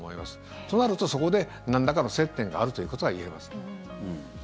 となると、そこでなんらかの接点があるということはいえます。